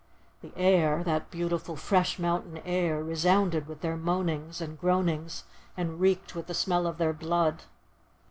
The air, that beautiful, fresh mountain air, resounded with their moanings and groanings, and reeked with the smell of their blood.